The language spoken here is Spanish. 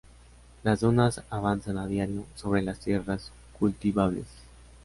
Las dunas avanzan a diario sobre las tierras cultivables.